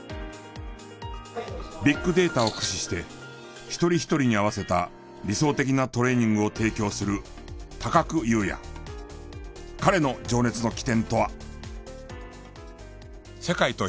ビッグデータを駆使して一人一人に合わせた理想的なトレーニングを提供する彼の情熱の起点とは？